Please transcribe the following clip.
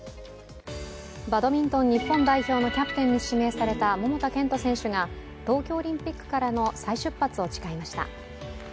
バドミントン日本代表のキャプテンに指名された桃田賢斗選手が東京オリンピックからの再出発を誓いました。